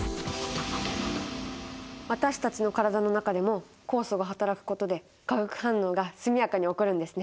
私たちの体の中でも酵素がはたらくことで化学反応が速やかに起こるんですね。